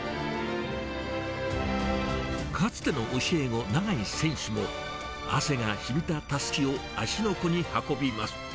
かつての教え子、永井選手も、汗が染みたたすきを芦ノ湖に運びます。